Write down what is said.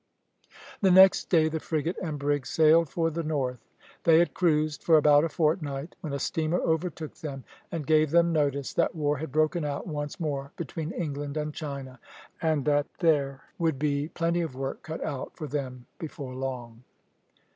The next day the frigate and brig sailed for the north. They had cruised for about a fortnight, when a steamer overtook them, and gave them notice that war had broken out once more between England and China, and that there would be plenty of work cut out for them before long.